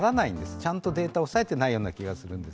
ちゃんとデータを押さえていないような気がするんです。